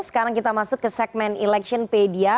sekarang kita masuk ke segmen electionpedia